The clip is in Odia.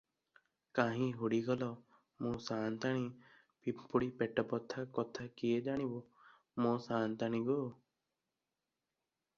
କାହିଁ ହୁଡ଼ିଗଲ, ମୋ ସାଆନ୍ତାଣି, ପିମ୍ପୁଡ଼ି ପେଟବଥା କଥା କିଏ ଜାଣିବ, ମୋ ସାଆନ୍ତାଣୀ ଗୋ!